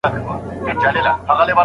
آیا پاخه سړکونه تر خامه سړکونو ارام دي؟